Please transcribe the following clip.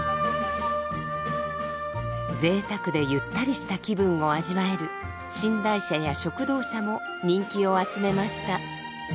贅沢でゆったりした気分を味わえる寝台車や食堂車も人気を集めました。